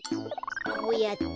こうやって。